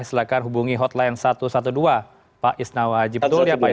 silakan hubungi hotline satu ratus dua belas pak isnawa haji petul